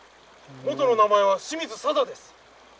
元の名前は清水さだです！